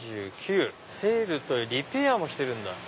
セールとリペアもしてるんだ。